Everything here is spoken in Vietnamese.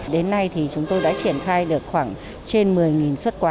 đến nay thì chúng tôi đã triển khai được khoảng trên một mươi xuất quà